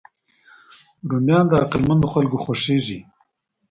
رومیان له عقلمندو خلکو خوښېږي